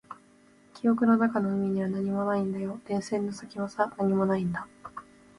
記憶の中の海には何もないんだよ。電線の先もさ、何もないんだ。